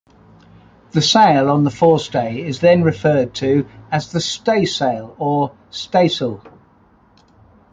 The sail on the forestay is then referred to as the staysail or stays'l.